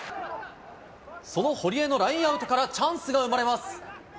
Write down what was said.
その堀江のラインアウトからチャンスが生まれます。